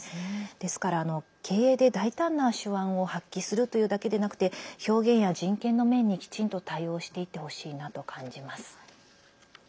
ですから、経営で大胆な手腕を発揮するというだけでなくて表現や人権の面にきちんと対応していってほしいなと感じます。